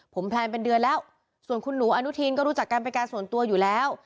ผมแพลนเป็นเดือนแล้วส่วนคุณหนูอนุทินก็รู้จักกันเป็นการส่วนตัวอยู่แล้ว